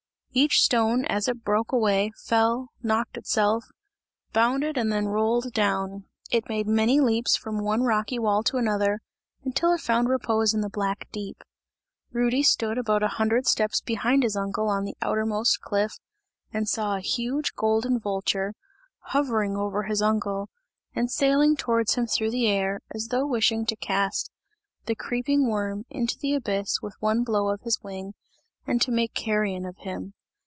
Each stone as it broke away, fell, knocked itself, bounded and then rolled down; it made many leaps from one rocky wall to another until it found repose in the black deep. Rudy stood about a hundred steps behind his uncle on the outermost cliff, and saw a huge golden vulture, hovering over his uncle, and sailing towards him through the air, as though wishing to cast the creeping worm into the abyss with one blow of his wing, and to make carrion of him.